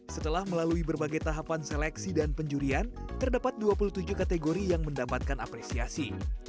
setelah melalui berbagai tahapan seleksi dan penjurian terdapat dua puluh tujuh kategori yang mendapatkan apresiasi